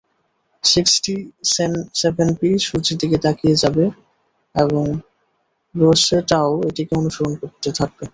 Sixty-seven P সূর্যের দিকে এগিয়ে যাবে এবং রোসেটাও এটিকে অনুসরণ করতে থাকবে।